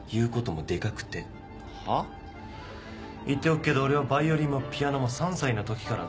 言っておくけど俺はバイオリンもピアノも３歳のときからずーっとやってきたんだぞ。